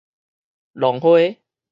浪花